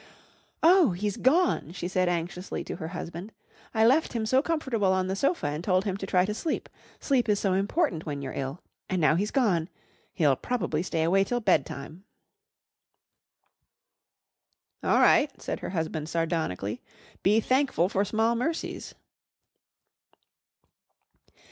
"Oh, he's gone," she said anxiously to her husband. "I left him so comfortable on the sofa, and told him to try to sleep. Sleep is so important when you're ill. And now he's gone he'll probably stay away till bedtime!" "All right," said her husband sardonically. "Be thankful for small mercies."